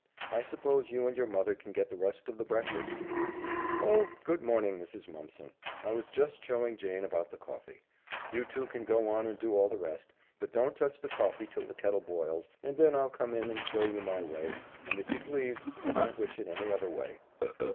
I suppose you and your mother can get the rest of the breakfast? Oh, good morning, Mrs. Mumpson! I was just showing Jane about the coffee. You two can go on and do all the rest, but don't touch the coffee till the kettle boils, and then I'll come in and show you my way, and, if you please, I don't wish it any other way."